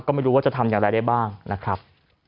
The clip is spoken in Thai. ก็ไม่รู้ว่าจะทำอย่างไรได้บ้างนะครับ